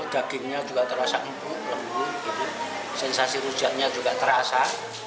dagingnya juga terasa empuk lembut sensasi rujaknya juga terasa